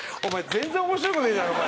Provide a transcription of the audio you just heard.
全然面白くねえだろお前。